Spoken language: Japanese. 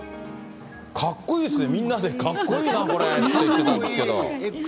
かっこいいですね、みんなで、かっこいいな、これって言ってたんですけど。